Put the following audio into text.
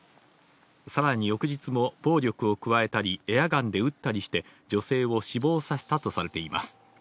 さらに翌日も暴力を加えたり、エアガンで撃ったりして女性を死亡させたとされています。